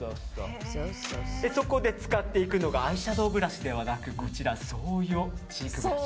そこで使っていくのがアイシャドーブラシではなくこちら、ＳＯＹＯチークブラシ。